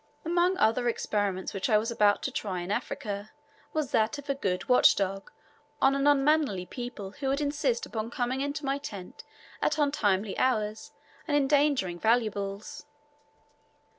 Among other experiments which I was about to try in Africa was that of a good watch dog on any unmannerly people who would insist upon coming into my tent at untimely hours and endangering valuables.